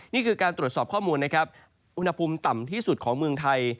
นี่คือการตรวจสอบข้อมูลนะครับอุณหภูมิต่ำที่สุดของเมืองไทย